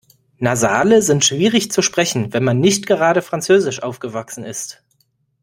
Nasale sind schwierig zu sprechen, wenn man nicht gerade französisch aufgewachsen ist.